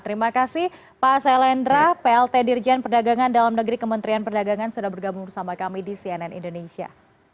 terima kasih pak selendra plt dirjen perdagangan dalam negeri kementerian perdagangan sudah bergabung bersama kami di cnn indonesia